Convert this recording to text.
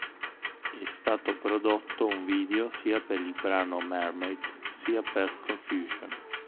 È stato prodotto un video sia per il brano "Mermaid" sia per "Confusion".